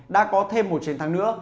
đã có thêm một chiến thắng nữa